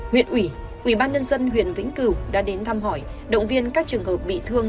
huyện ủy ubnd huyện vĩnh cửu đã đến thăm hỏi động viên các trường hợp bị thương